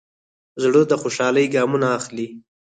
زړه د خوشحالۍ ګامونه اخلي.